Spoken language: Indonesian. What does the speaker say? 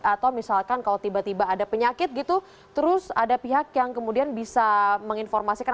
atau misalkan kalau tiba tiba ada penyakit gitu terus ada pihak yang kemudian bisa menginformasikan